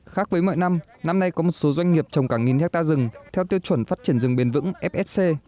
khác với mọi năm năm nay có một số doanh nghiệp trồng cả nghìn hectare rừng theo tiêu chuẩn phát triển rừng bền vững fsc